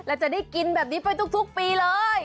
แล้วจะได้กินแบบนี้ไปทุกปีเลย